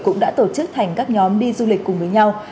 cũng đã tổ chức thành các nhóm đi du lịch cùng với nhau